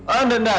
oh enggak enggak